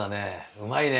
うまいね。